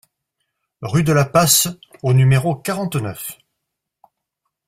Rue de la Passe au numéro quarante-neuf